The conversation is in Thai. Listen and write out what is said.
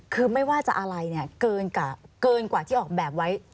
คือไม่ว่าจะอะไรเนี่ยเกินกว่าที่ออกแบบไว้